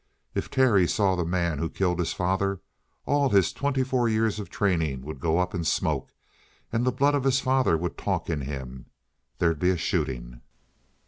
"If Terry saw the man who killed his father, all his twenty four years of training would go up in smoke and the blood of his father would talk in him. There'd be a shooting!"